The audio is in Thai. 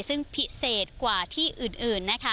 ซึ่งพิเศษกว่าที่อื่นนะคะ